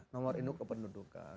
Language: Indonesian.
nomor induk kependudukan